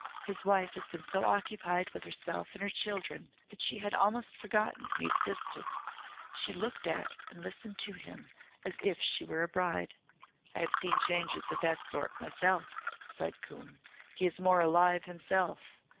His wife has been so occupied with herself and her children that she had almost forgotten he existed. She looked at and listened to him as if she were a bride." "I have seen changes of that sort myself," said Coombe. "He is more alive himself.